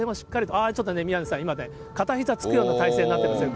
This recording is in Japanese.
ああ、ちょっと今、宮根さん、片ひざつくような体勢になってますよ。